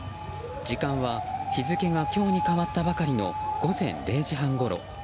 時間は日付が今日に変わったばかりの午前０時半ごろ。